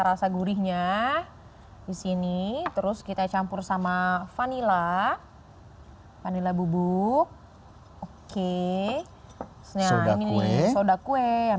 rasa gurihnya di sini terus kita campur sama vanila vanila bubuk oke nah ini sudah kue yang